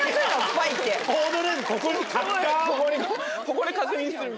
ここで確認する。